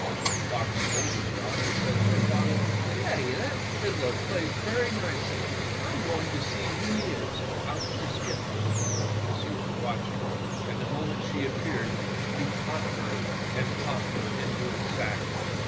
The fox's oldest daughter said to her father: "Daddy, that fiddler plays very nicely. I 'm going to see who he is." Out she skipped, but Pussy was watch ing, and the moment she appeared he caught her and popped her into his sack.